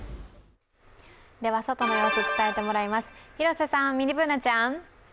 では外の様子、伝えてもらいます広瀬さん、ミニＢｏｏｎａちゃん。